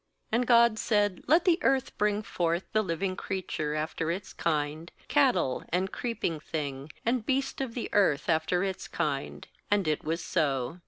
3 1.24 GENESIS ^And God said: 'Let the earth bring forth the living creature after its kind, cattle, and creeping thing, and beast of the earth after its kind ' And it was so.